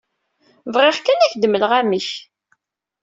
Bɣiɣ kan ad k-d-mmleɣ amek.